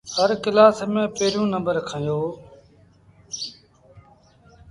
هر ڪلآس ميݩ پيريوݩ نمبر کنيو۔